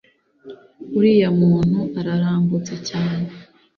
uriya muntu ararambutse cyane